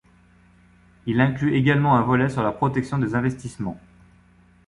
Il inclut également un volet sur la protection des investissements.